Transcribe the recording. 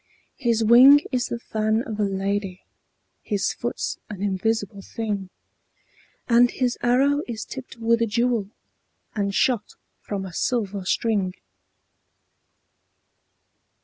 His wing is the fan of a lady, His foot's an invisible thing, And his arrow is tipped with a jewel, And shot from a silver string.